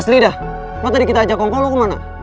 asli dah lo tadi kita ajak kongkong lo kemana